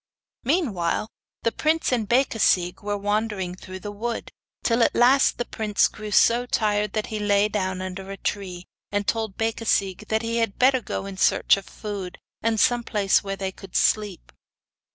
Meanwhile, the prince and Becasigue were wandering through the wood, till at last the prince grew so tired, that he lay down under a tree, and told Becasigue that he had better go in search of food, and of some place where they could sleep.